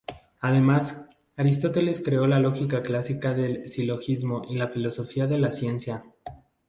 Además, Aristóteles creó la lógica clásica del silogismo y la filosofía de la ciencia.